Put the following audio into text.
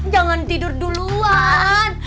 jangan tidur duluan